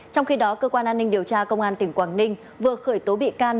trong khi đó cơ quan an ninh điều tra công an tỉnh quảng ninh vừa khởi tố bị can